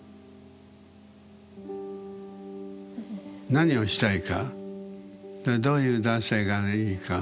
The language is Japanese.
何をしたいかでどういう男性がいいか。